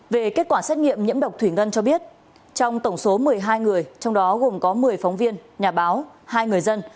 về kết quả xét nghiệm nhiễm độc thủy ngân cho biết trong tổng số một mươi hai người trong đó gồm có một mươi phóng viên nhà báo hai người dân